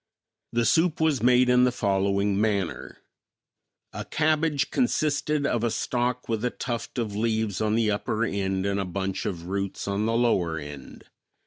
The soup was made in the following manner: A cabbage consisted of a stalk with a tuft of leaves on the upper end and a bunch of roots on the lower end.